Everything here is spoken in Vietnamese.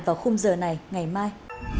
vào khung giờ này ngày mai